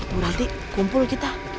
berarti kumpul kita